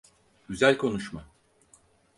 Güzel konuşma.